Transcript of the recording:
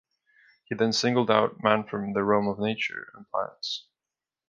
He then singled out Man from the realm of Nature and plants.